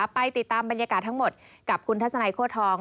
ไปติดตามบรรยากาศทั้งหมดกับคุณทัศนัยโค้ทอง